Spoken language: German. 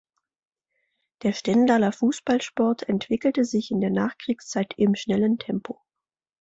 Der Stendaler Fußballsport entwickelte sich in der Nachkriegszeit im schnellen Tempo.